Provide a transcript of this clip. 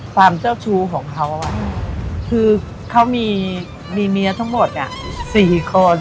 เจ้าชู้ของเขาคือเขามีเมียทั้งหมด๔คน